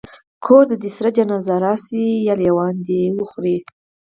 کور ته دي سره جنازه راسي یا لېوان دي وخوري